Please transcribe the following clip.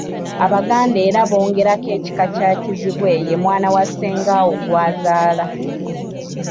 Abaganda era bongerako ekika kya Kizibwe ye mwana wa Ssengaawo gw’azaala.